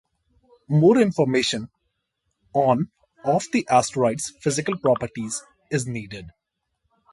More information on of the asteroid’s physical properties is needed.